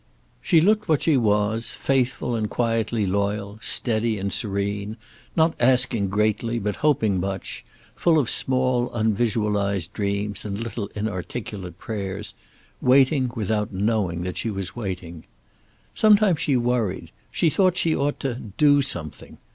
She looked what she was, faithful and quietly loyal, steady and serene; not asking greatly but hoping much; full of small unvisualized dreams and little inarticulate prayers; waiting, without knowing that she was waiting. Sometimes she worried. She thought she ought to "do something."